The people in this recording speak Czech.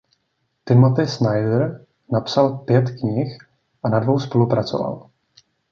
Timothy Snyder napsal pět knih a na dvou spolupracoval.